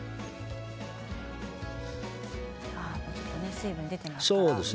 水分が出ていますからね。